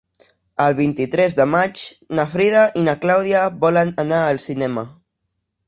El vint-i-tres de maig na Frida i na Clàudia volen anar al cinema.